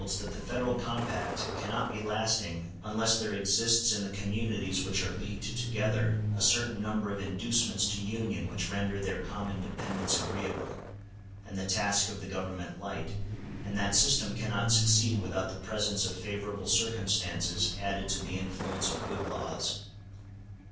Hence it results that the Federal compact cannot be lasting unless there exists in the communities which are leagued together a certain number of inducements to union which render their common dependence agreeable, and the task of the Government light, and that system cannot succeed without the presence of favorable circumstances added to the influence of good laws.